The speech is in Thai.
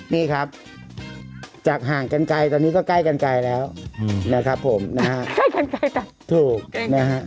นี่ครับจากห่างกันไกลตอนนี้ก็ใกล้กันไกลแล้วนะครับผมนะครับ